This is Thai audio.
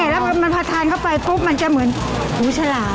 แล้วพอมันพอทานเข้าไปปุ๊บมันจะเหมือนหูฉลาม